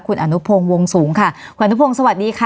คุณอนุพงศ์วงสูงค่ะคุณอนุพงศ์สวัสดีค่ะ